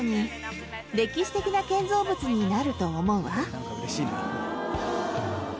なんかうれしいな。